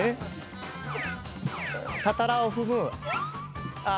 たたらを踏む。